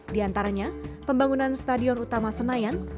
di antaranya pembangunan stadion utama senayan